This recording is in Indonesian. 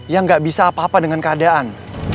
yang gak bisa apa apa dengan keadaan